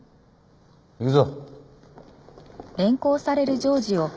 行くぞ。